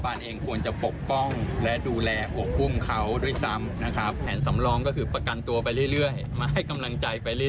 กำลังใจให้สู้ไปด้วยกันแล้วก็ให้อดทนวาให้อยู่ข้างในก็ดูแลตัวเองให้ดีดี